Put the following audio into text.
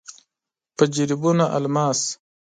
په جريبونو الماس.